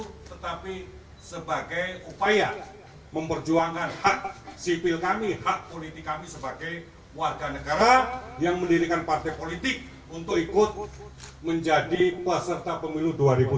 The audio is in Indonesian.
tetapi sebagai upaya memperjuangkan hak sipil kami hak politik kami sebagai warga negara yang mendirikan partai politik untuk ikut menjadi peserta pemilu dua ribu dua puluh